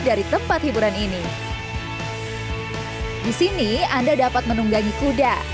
di sini anda dapat menunggangi kuda